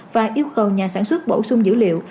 và yêu cầu nhà sản xuất bổ sung dữ liệu